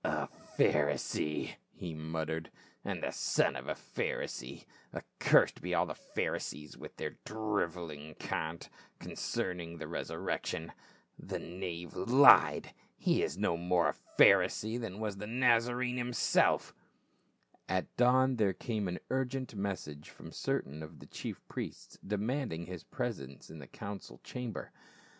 "A Pharisee !" he muttered. " and the son of a Pharisee accursed be all Pharisees with their driveling cant con cerning the resurrection— the knave lied ; he is no more a Pharisee than was the Nazarene himself" At dawn there came an urgent message from certain of the chief priests demanding his presence in the coun 396 PA VL. cil chambcr.